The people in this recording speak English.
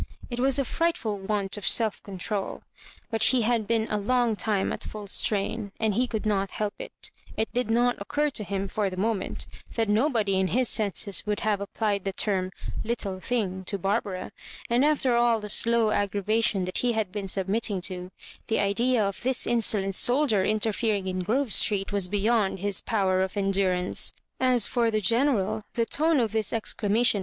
It was a fright ful want of self control ; but he had been a long time at full strain, and he could not help it It did not occur to him, for the moment, that nobody in his senses would have applied the term " little thing " to Barbara ; and, ajter all the slow aggra vation that he had been submitting to, the idea of this insolent soldier interfering in Grove Street was beyond his power of endurance. As for the GenersJ, the tone" of this exclamation